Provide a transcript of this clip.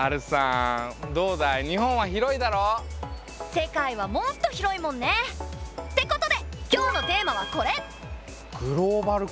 世界はもっと広いもんね！ってことで今日のテーマはこれ！